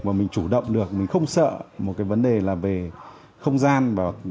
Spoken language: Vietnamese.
và mình chủ động được mình không sợ một cái vấn đề là về không gian